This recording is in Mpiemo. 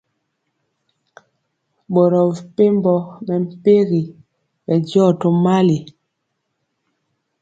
Boro mepempɔ mɛmpegi bɛndiɔ tomali.